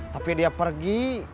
tapi dia pergi